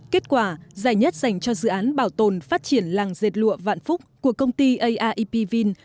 kết quả giải nhất dành cho dự án bảo tồn phát triển làng dệt lụa vạn phúc của công ty aip vin